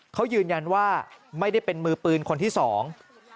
เขายืนยันว่าไม่ได้เป็นมือปืนคนที่สอง